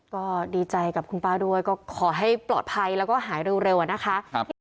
ก็ดีใจกับคุณป้าด้วยก็ขอให้ปลอดภัยแล้วก็หายเร็วอะนะคะ